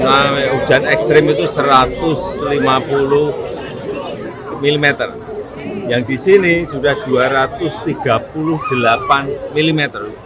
sehingga anggul yang ada di sini yang di sini sudah dua ratus tiga puluh delapan mm